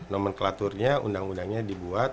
nomenklaturnya undang undangnya dibuat